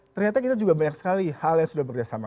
ternyata kita juga banyak sekali hal yang sudah berkerjasama